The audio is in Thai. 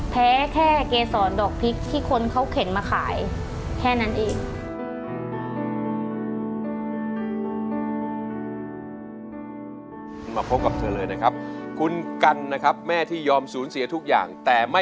แค่เกษรดอกพริกที่คนเขาเข็นมาขายแค่นั้นเอง